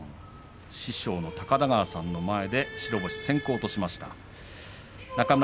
師匠の高田川さんの前で白星先行としました。